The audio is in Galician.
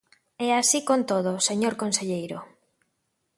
E así con todo, señor conselleiro.